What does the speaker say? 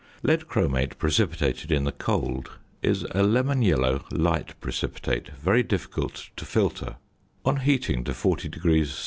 Lead chromate precipitated in the cold is a lemon yellow, light precipitate, very difficult to filter: on heating to 40° C.